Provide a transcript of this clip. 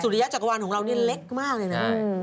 ริยจักรวาลของเรานี่เล็กมากเลยนะ